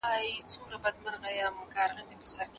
سرګردان ګرځي لا خامتما دی